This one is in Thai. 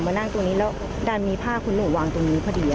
นั่งตรงนี้แล้วดันมีผ้าคุณหนูวางตรงนี้พอดี